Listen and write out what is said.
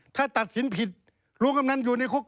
ถ้าตัดสินผิดลุงกำนันอยู่ในคุก